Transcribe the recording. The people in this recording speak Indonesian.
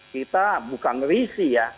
kita bukan risi ya